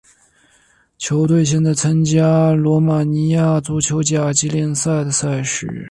球队现在参加罗马尼亚足球甲级联赛的赛事。